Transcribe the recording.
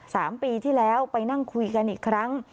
สามปีที่แล้วไปนั่งคุยกันอีกครั้ง